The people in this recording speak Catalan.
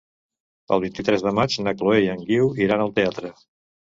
El vint-i-tres de maig na Chloé i en Guiu iran al teatre.